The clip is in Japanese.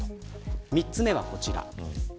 ３つ目はこちら。